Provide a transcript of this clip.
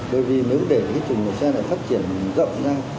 bởi vì nếu để cái chủng loại xe này phát triển rộng ra